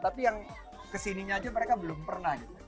tapi yang kesininya aja mereka belum pernah